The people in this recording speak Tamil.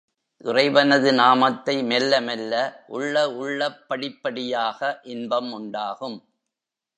இறைவனது நாமத்தை மெல்ல மெல்ல உள்ள உள்ளப் படிப்படியாக இன்பம் உண்டாகும்.